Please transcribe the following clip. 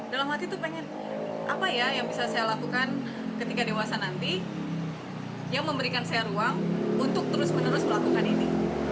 dalam hati itu pengen apa ya yang bisa saya lakukan ketika dewasa nanti yang memberikan saya ruang untuk terus menerus melakukan ini